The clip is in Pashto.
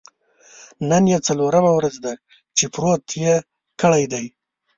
نن یې څلورمه ورځ ده چې پروت یې کړی دی.